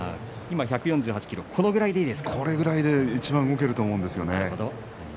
１４８ｋｇこれぐらいで動けると思うんですよね。